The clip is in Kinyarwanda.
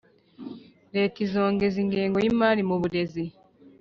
leta izongeza ingengo y'imari mu burezi